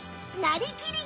「なりきり！